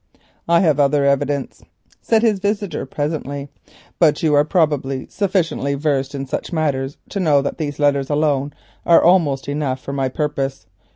"I have other evidence," said his visitor presently, "but you are probably sufficiently versed in such matters to know that these letters alone are almost enough for my purpose.